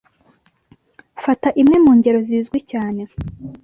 Fata imwe mu ngero zizwi cyane: